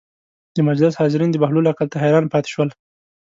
د مجلس حاضرین د بهلول عقل ته حیران پاتې شول.